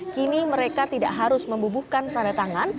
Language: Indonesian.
kini mereka tidak harus membubuhkan tanda tangan